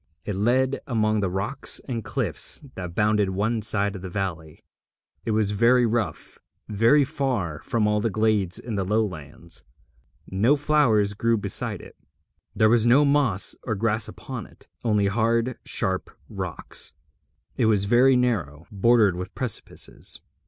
It led among the rocks and cliffs that bounded one side of the valley. It was very rough, very far from all the glades in the lowlands. No flowers grew beside it, there was no moss or grass upon it, only hard sharp rocks. It was very narrow, bordered with precipices.